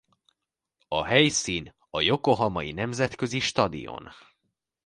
A helyszín a jokohamai Nemzetközi Stadion.